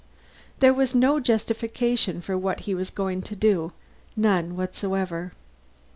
There was no justification for what he was going to do. None whatsoever.